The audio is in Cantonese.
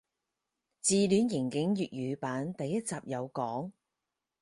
自戀刑警粵語版第一集有講